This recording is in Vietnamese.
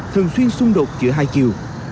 thường xuyên xung đột giữa hai chiều